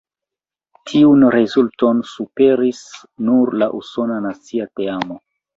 Tiun rezulton superis nur la usona nacia teamo.